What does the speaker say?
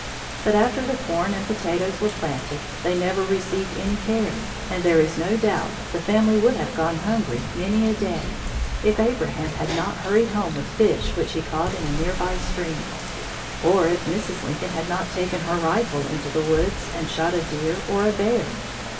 But after the corn and potatoes were planted, they never received any care, and there is no doubt the family would have gone hungry many a day if Abraham had not hurried home with fish which he caught in a near by stream, or if Mrs. Lincoln had not taken her rifle into the woods and shot a deer or a bear.